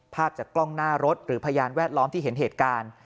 ภาพจากกล้องหน้ารถหรือพยานแวดล้อมที่เห็นเหตุการณ์